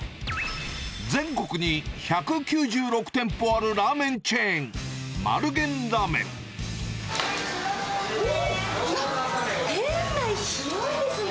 全国に１９６店舗あるラーメンチェーン、店内、広いですね。